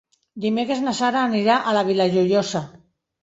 Dimecres na Sara anirà a la Vila Joiosa.